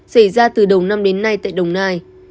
xảy ra từ đầu năm đến nay tại đồng nai